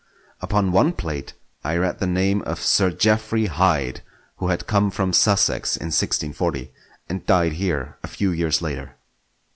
Upon one plate I read the name of Sir Geoffrey Hyde, who had come from Sussex in 1640 and died here a few years later.